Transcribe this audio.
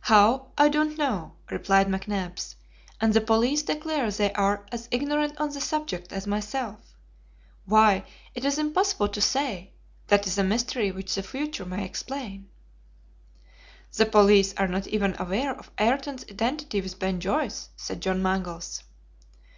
"How, I don't know," replied McNabbs; "and the police declare they are as ignorant on the subject as myself. Why, it is impossible to say; that is a mystery which the future may explain." "The police are not even aware of Ayrton's identity with Ben Joyce," said John Mangles.